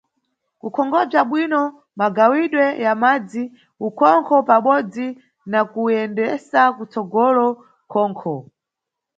Kukonkhobza bwino magawidwe ya madzi, ukhonkho pabodzi na kuyendesa kutsogolo khonkho.